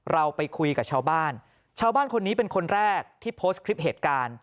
เราไปคุยกับชาวบ้านชาวบ้านคนนี้เป็นคนแรกที่โพสต์คลิปเหตุการณ์